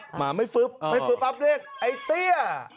หมาไม่ฟึ๊บไม่ฟึ๊บปั๊บเรียกไอ้เตี้ย